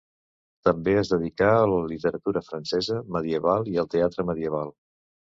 També es dedicà a la literatura francesa medieval i al teatre medieval.